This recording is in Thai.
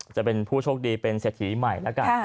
จะเป็นผู้โชคดีเป็นเสถียรี่ใหม่